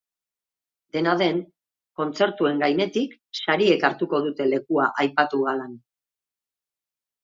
Dena den, kontzertuen gainetik, sariek hartuko dute lekua aipatu galan.